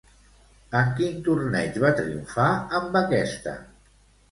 En quin torneig va triomfar amb aquesta?